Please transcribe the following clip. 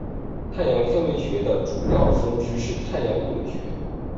太阳天文学的主要分支是太阳物理学。